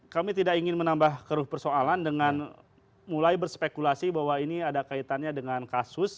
kami tidak ingin menambah keruh persoalan dengan mulai berspekulasi bahwa ini ada kaitannya dengan kasus